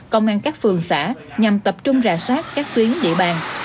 công an các phường xã nhằm tập trung rà soát các tuyến địa bàn